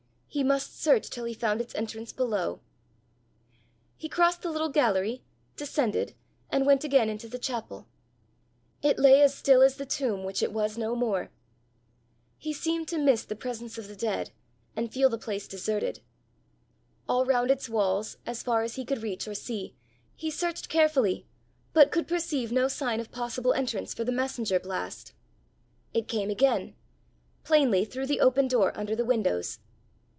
He must search till he found its entrance below! He crossed the little gallery, descended, and went again into the chapel: it lay as still as the tomb which it was no more. He seemed to miss the presence of the dead, and feel the place deserted. All round its walls, as far as he could reach or see, he searched carefully, but could perceive no sign of possible entrance for the messenger blast. It came again! plainly through the open door under the windows.